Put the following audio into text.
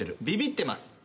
ビビってます。